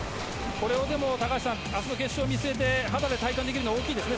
これはでも、あすの決勝見据えて、肌で体感できるのは、大きいですね。